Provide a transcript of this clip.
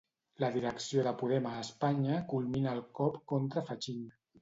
La direcció de Podem a Espanya culmina el cop contra Fachín.